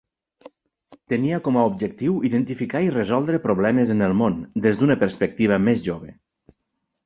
Tenia com a objectiu identificar i resoldre problemes en el món des d'una perspectiva més jove.